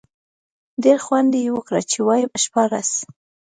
ډېر خوند یې وکړ، چې وایم شپاړس.